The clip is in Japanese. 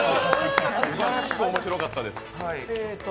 すばらしく面白かったです。